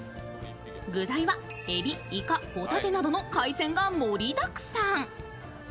具材はえび、いか、ほたてなどの海鮮が盛りだくさん。